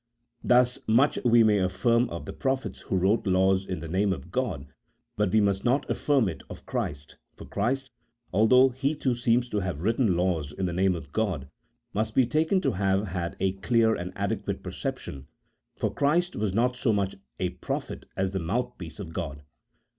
Thus much we may affirm of the prophets who wrote laws in the name of God ; but we must not affirm it of Christ, for Christ, although He too seems to have written laws in the name of God, must be taken to have had a clear and adequate per ception, for Christ was not so much a prophet as the mouthpiece of God.